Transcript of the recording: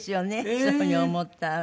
そういうふうに思ったらね。